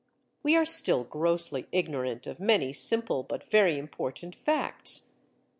We are still grossly ignorant of many simple but very important facts.